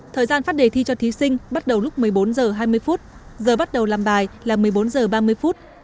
thời gian phát đề thi cho thí sinh bắt đầu lúc một mươi bốn h hai mươi giờ bắt đầu làm bài là một mươi bốn h ba mươi phút